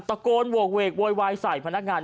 ตะโกนโหกเวกโวยวายใส่พนักงาน